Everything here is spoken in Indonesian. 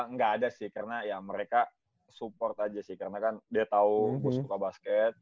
nggak ada sih karena ya mereka support aja sih karena kan dia tahu gue suka basket